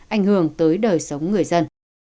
ảnh hưởng tới đời sống người dân